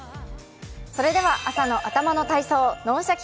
それでは、朝の頭の体操「脳シャキ！